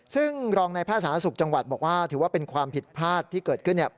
ซึ่งรองนายภาษาศูนย์สุขจังหวัดบอกว่าถือว่าเป็นความผิดพลาดที่เกิดขึ้นเนี่ย